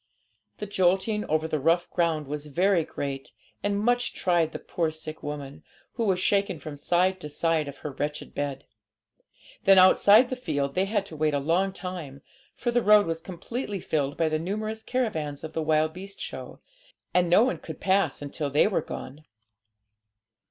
The jolting over the rough ground was very great, and much tried the poor sick woman, who was shaken from side to side of her wretched bed. Then outside the field they had to wait a long time, for the road was completely filled by the numerous caravans of the wild beast show, and no one could pass until they were gone.